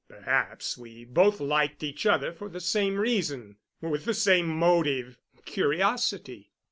Perhaps we both liked each other for the same reason—with the same motive—curiosity.